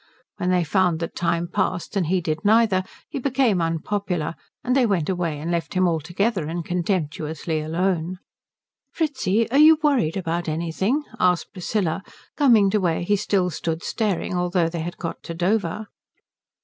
When they found that time passed and he did neither, he became unpopular, and they went away and left him altogether and contemptuously alone. "Fritzi, are you worried about anything?" asked Priscilla, coming to where he still stood staring, although they had got to Dover.